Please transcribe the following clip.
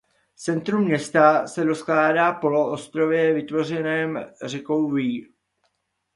Centrum města se rozkládá na "poloostrově" vytvořeném řekou Wear.